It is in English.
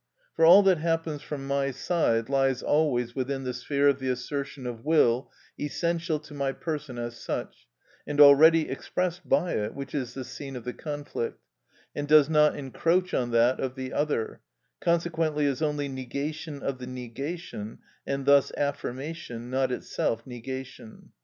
For all that happens from my side lies always within the sphere of the assertion of will essential to my person as such, and already expressed by it (which is the scene of the conflict), and does not encroach on that of the other, consequently is only negation of the negation, and thus affirmation, not itself negation.